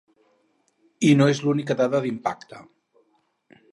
I no és l’única dada d’impacte.